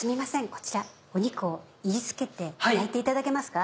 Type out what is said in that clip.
こちら肉を炒りつけて焼いていただけますか？